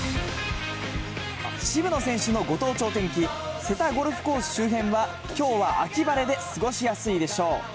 渋野選手のご当地お天気、瀬田ゴルフコース周辺は、きょうは秋晴れで過ごしやすいでしょう。